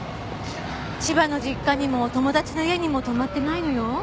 千葉の実家にも友達の家にも泊まってないのよ。